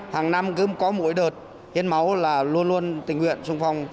hàng năm cứ có mỗi đợt hiến máu là luôn luôn tình nguyện sung phong